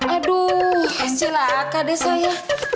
aduh celaka deh saya